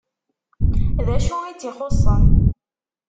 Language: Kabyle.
D acu i tt-ixuṣṣen?